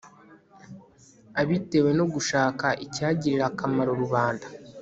abitewe no gushaka icyagirira akamaro rubanda